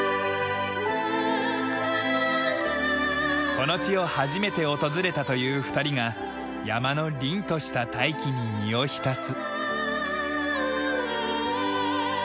この地を初めて訪れたという２人が山の凛とした大気に身を浸す。